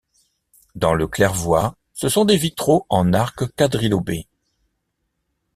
Dans le claire-voie, ce sont des vitraux en arcs quadrilobés.